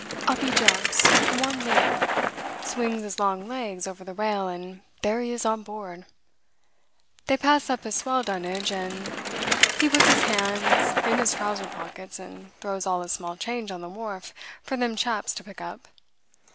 Up he jumps, one leap, swings his long legs over the rail, and there he is on board. They pass up his swell dunnage, and he puts his hand in his trousers pocket and throws all his small change on the wharf for them chaps to pick up.